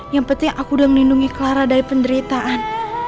yang penting aku udah melindungi clara dari penderitaan